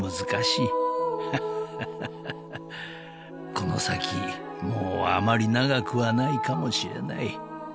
［この先もうあまり長くはないかもしれない］